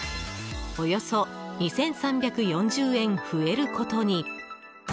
およそ２３４０円増えることに。